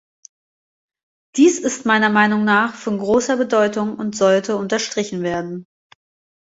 Dies ist meiner Meinung nach von großer Bedeutung und sollte unterstrichen werden.